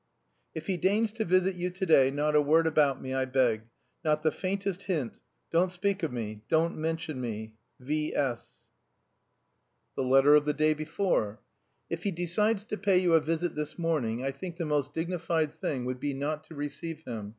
"If he deigns to visit you to day, not a word about me, I beg. Not the faintest hint. Don't speak of me, don't mention me. V. S." The letter of the day before: "If he decides to pay you a visit this morning, I think the most dignified thing would be not to receive him.